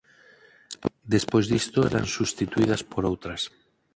Despois disto eran substituídas por outras.